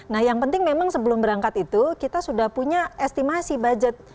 nah yang penting memang sebelum berangkat itu kita sudah punya estimasi budget